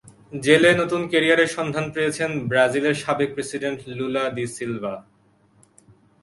জেলে নতুন ক্যারিয়ারের সন্ধান পেয়েছেন ব্রাজিলের সাবেক প্রেসিডেন্ট লুলা ডি সিলভা।